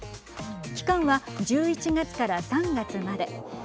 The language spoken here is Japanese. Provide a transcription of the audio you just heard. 期間は１１月から３月まで。